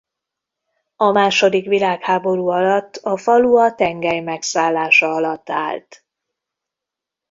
A második világháború alatt a falu a tengely megszállása alatt állt.